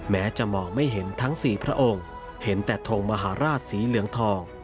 แม้จะมองไม่เห็นทั้ง๔พระองค์เห็นแต่ทงมหาราชสีเหลืองทอง